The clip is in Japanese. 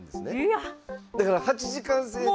だから８時間制で。